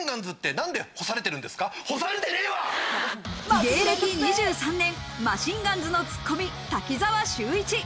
芸歴２３年、マシンガンズのツッコミ、滝沢秀一。